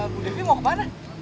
bu devi mau kemana